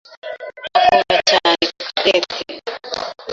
akunda cyane Cadette.